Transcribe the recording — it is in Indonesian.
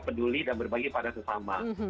peduli dan berbagi pada sesama